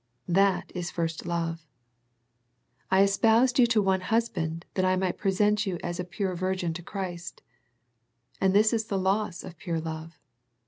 That is first love. " I espoused you to one husband, that I might present you as a pure virgin to Christ." And this is the loss of pure love.